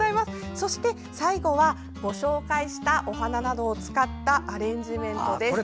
そして、最後はご紹介したお花などを使ったアレンジメントです。